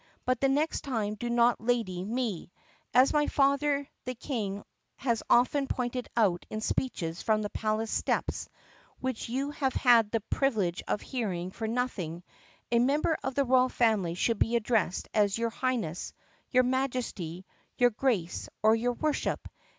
But the next time do not 'lady' me, please. As my father the King has often pointed out in speeches from the palace steps, which you had the privi lege of hearing for nothing, a member of the royal family should be addressed as 'your Highness,' 'your Majesty,' 'your Grace,' or 'your Worship.